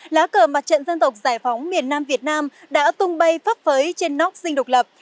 lá cờ mặt trận dân tộc giải phóng miền nam việt nam đã tung bay phấp phới trên nóc dinh độc lập